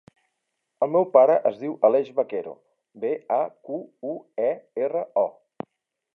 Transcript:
El meu pare es diu Aleix Baquero: be, a, cu, u, e, erra, o.